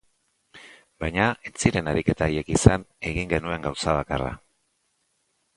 Baina ez ziren ariketa haiek izan egin genuen gauza bakarra.